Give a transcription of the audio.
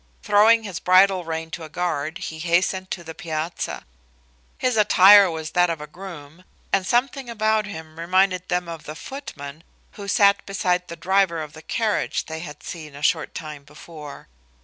Throwing his bridle rein to a guard, he hastened to the piazza. His attire was that of a groom and something about him reminded them of the footman who sat beside the driver of the carriage they had seen a short time before.